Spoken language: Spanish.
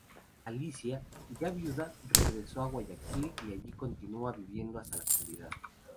Alicia, ya viuda, regresó a Guayaquil y allí continúa viviendo hasta la actualidad.